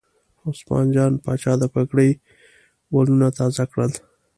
عثمان جان پاچا د پګړۍ ولونه تازه کړل.